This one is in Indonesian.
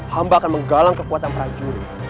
hamba akan menggalang kekuatan prajurit